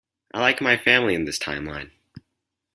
I like my family in this timeline.